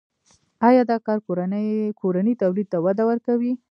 آیا دا کار کورني تولید ته وده ورکوي؟